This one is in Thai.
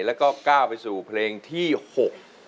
แล้วก็ก้าวไปสู่เพลงที่หก